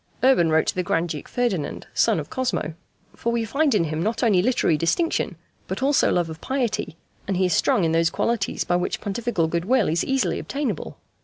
Urban wrote to the Grand Duke Ferdinand, son of Cosmo: "For We find in him not only literary distinction but also love of piety, and he is strong in those qualities by which Pontifical good will is easily obtainable.